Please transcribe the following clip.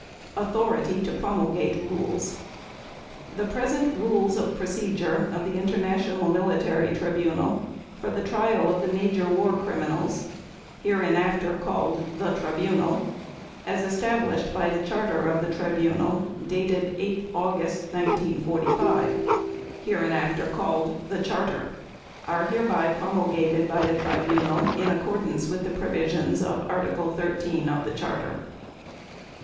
Authority to Promulgate Rules. The present Rules of Procedure of the International Military Tribunal for the trial of the major war criminals (hereinafter called "the Tribunal") as established by the Charter of the Tribunal dated 8 August 1945 (hereinafter called "the Charter") are hereby promulgated by the Tribunal in accordance with the provisions of Article 13 of the Charter.